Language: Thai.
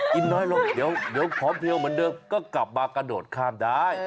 น้อยลงเดี๋ยวผอมเพียวเหมือนเดิมก็กลับมากระโดดข้ามได้